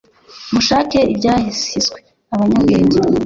Mushake ibyahiswe abanyabwenge